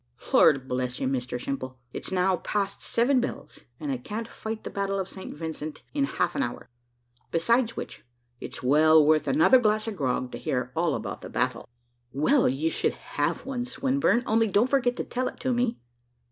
"Lord bless you, Mr Simple! it's now past seven bells, and I can't fight the battle of St. Vincent in half an hour; besides which, it's well worth another glass of grog to hear all about that battle." "Well, you shall have one, Swinburne; only don't forget to tell it to, me."